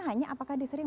hanya apakah disering